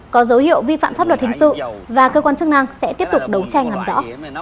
có dấu hiệu vi phạm pháp luật hình sự và cơ quan chức năng sẽ tiếp tục đấu tranh làm rõ